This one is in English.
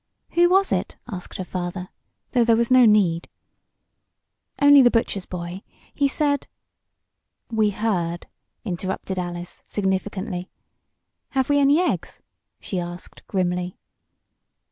"Who was it?" asked her father, though there was no need. "Only the butcher's boy. He said " "We heard," interrupted Alice, significantly. "Have we any eggs?" she asked, grimly.